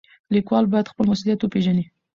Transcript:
لیکوال باید خپل مسولیت وپېژني.